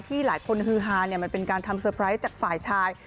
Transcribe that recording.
หลายคนฮือฮามันเป็นการทำเซอร์ไพรส์จากฝ่ายชาย